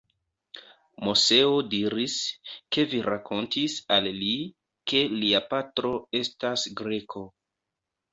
Moseo diris, ke vi rakontis al li, ke lia patro estas Greko.